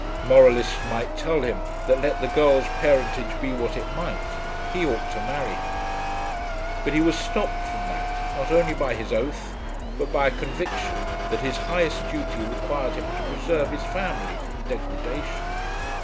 Moralists might tell him that let the girl's parentage be what it might, he ought to marry her; but he was stopped from that, not only by his oath, but by a conviction that his highest duty required him to preserve his family from degradation.